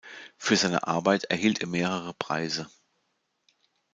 Für seine Arbeit erhielt er mehrere Preise.